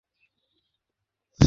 ওখানে সবাই এরকম জড়ো হয়েছে কেন?